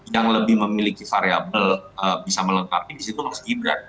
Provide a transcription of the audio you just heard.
yang lebih memiliki variable bisa melengkapi di situ mas gibran